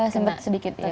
sempet sedikit iya